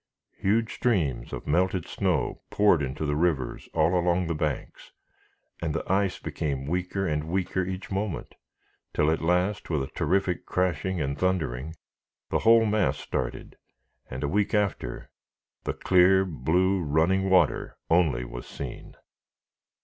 Huge streams of melted snow poured into the rivers all along the banks, and the ice became weaker and weaker each moment, till, at last, with a terrific crashing and thundering, the whole mass started, and, a week after, the clear, blue running water only was seen.